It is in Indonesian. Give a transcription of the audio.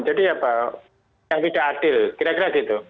jadi ya pak yang tidak adil kira kira gitu